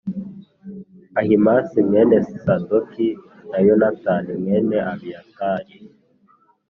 Ahimāsi mwene Sadoki, na Yonatani mwene Abiyatari.